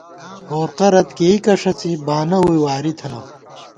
بورقہ رت کېئیکہ ݭڅی ، بانہ ووئی واری تھنہ